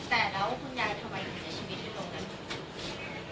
แต่แล้วคุณยายทำไมถึงใช้ชีวิตอยู่ตรงนั้น